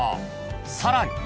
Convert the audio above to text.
［さらに］